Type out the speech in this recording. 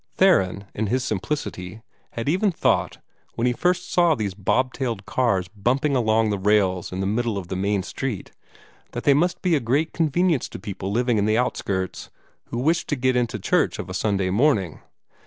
Theron, in his simplicity, had even thought, when he first saw these bobtailed cars bumping along the rails in the middle of the main street, that they must be a great convenience to people living in the outskirts, who wished to get in to church of a Sunday morning.